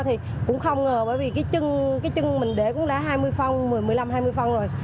thì cũng không ngờ bởi vì cái chân mình để cũng đã hai mươi phong một mươi năm hai mươi phong rồi